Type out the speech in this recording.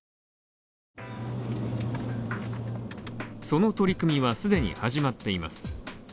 その取り組みは既に始まっています。